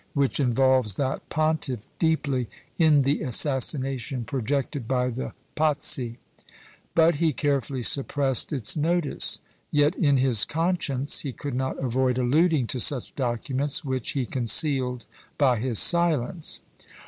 which involves that pontiff deeply in the assassination projected by the Pazzi; but he carefully suppressed its notice: yet, in his conscience, he could not avoid alluding to such documents, which he concealed by his silence.